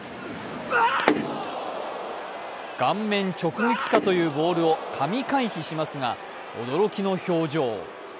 顔面直撃かというボールを神回避しますが驚きの表情。